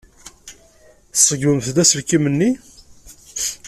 Tṣeggmemt-d aselkim-nni?